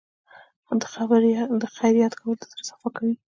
د خیر یاد کول د زړه صفا کوي.